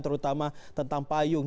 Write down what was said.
terutama tentang payung